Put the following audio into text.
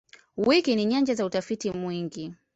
Wiki ni nyanja za utafiti mwingi.